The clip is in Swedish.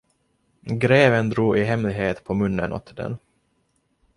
Greven drog i hemlighet på munnen åt den.